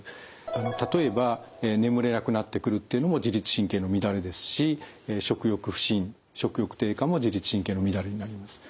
例えば眠れなくなってくるというのも自律神経の乱れですし食欲不振食欲低下も自律神経の乱れになります。